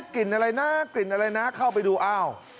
กลิ่นอะไรนะเข้าไปดูเอ้า